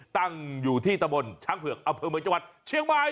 ตั้งอยู่ที่ตะบนช้างเผือกอำเภอเมืองจังหวัดเชียงใหม่